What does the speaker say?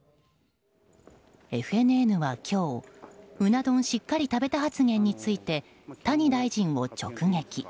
ＦＮＮは今日、うな丼しっかり食べた発言について谷大臣を直撃。